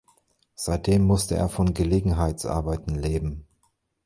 Seitdem musste er von Gelegenheitsarbeiten leben.